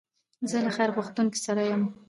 زه له خیر غوښتونکو سره یم.